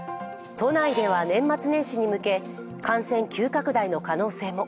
都内では年末年始に向け感染急拡大の可能性も。